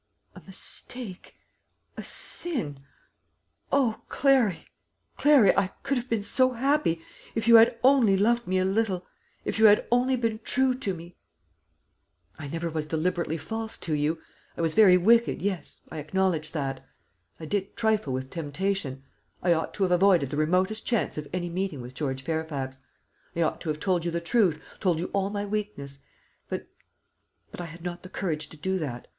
"A mistake a sin! O, Clary, Clary, I could have been so happy, if you had only loved me a little if you had only been true to me. "I never was deliberately false to you. I was very wicked; yes, I acknowledge that. I did trifle with temptation. I ought to have avoided the remotest chance of any meeting with George Fairfax. I ought to have told you the truth, told you all my weakness; but but I had not the courage to do that.